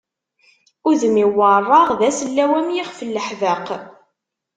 Udem-iw werraɣ d asellaw am yixef n laḥbeq.